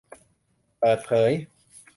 เปิดเผย